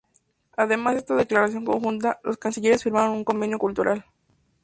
Además de esta declaración conjunta, los cancilleres firmaron un convenio cultural.